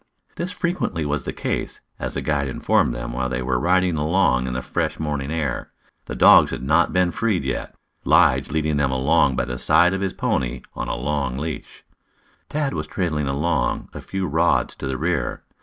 This frequently was the case, as the guide informed them while they were riding along in the fresh morning air. The dogs had not been freed yet, Lige leading them along by the side of his pony on a long leash. Tad was trailing along a few rods to the rear.